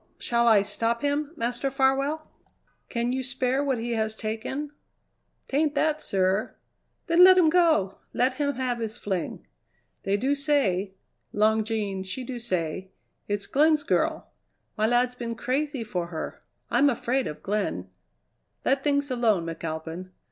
"Shall I stop him, Master Farwell?" "Can you spare what he has taken?" "'Tain't that, sir." "Then let him go! Let him have his fling." "They do say Long Jean, she do say it's Glenn's girl. My lad's been crazy for her. I'm afraid of Glenn." "Let things alone, McAlpin.